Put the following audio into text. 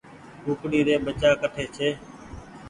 ڪُڪڙي ري ٻچا ڪٺي ڇي